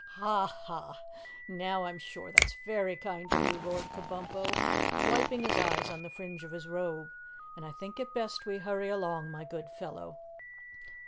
"Ha, ha! Now, I'm sure that's very kind of you," roared Kabumpo, wiping his eyes on the fringe of his robe. "And I think it best we hurry along, my good fellow.